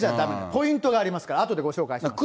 ポイントがありますから、あとでご紹介しますね。